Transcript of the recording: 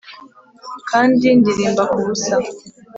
kandi ndirimba kubusa